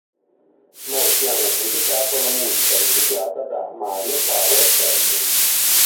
Molti hanno criticato la musica riciclata da "Mario Power Tennis".